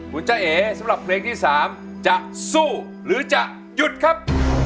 คุณจ้าเอ๋สำหรับเพลงที่๓จะสู้หรือจะหยุดครับ